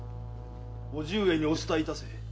伯父上にお伝えいたせ。